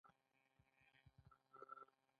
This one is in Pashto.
ایا مصنوعي ځیرکتیا د انسان مقام ته جدي ننګونه نه ده؟